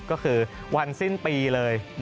ก็คือวันสิ้นปีเลย